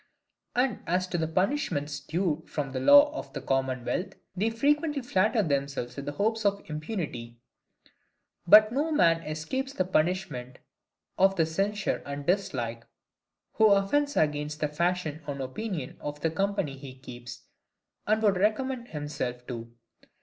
And as to the punishments due from the laws of the commonwealth, they frequently flatter themselves with the hopes of impunity. But no man escapes the punishment of their censure and dislike, who offends against the fashion and opinion of the company he keeps, and would recommend himself to.